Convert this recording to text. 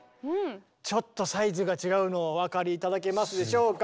ちょっとサイズが違うのをお分かり頂けますでしょうか。